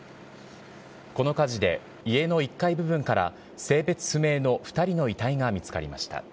この火事で、家の１階部分から性別不明の２人の遺体が見つかりました。